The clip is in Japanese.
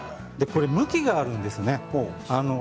向きがあるんですね。